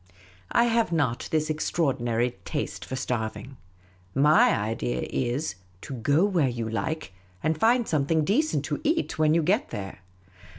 I have not this extraordinary taste for starving ; 7ny idea is, to go where j'ou like, and find something decent to eat when you get there.